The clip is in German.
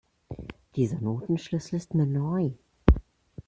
Dieser Notenschlüssel ist mir neu.